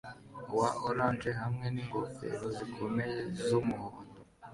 wa orange hamwe ningofero zikomeye z'umuhondo